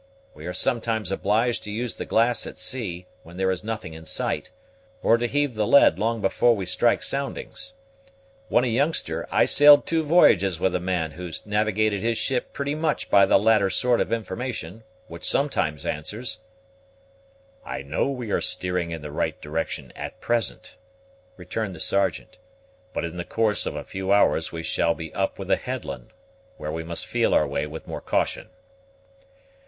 We are sometimes obliged to use the glass at sea when there is nothing in sight, or to heave the lead long before we strike soundings. When a youngster, sailed two v'y'ges with a man who navigated his ship pretty much by the latter sort of information, which sometimes answers." "I know we are steering in the right direction at present," returned the Sergeant; "but in the course of a few hours we shall be up with a headland, where we must feel our way with more caution."